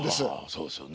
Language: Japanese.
そうですね。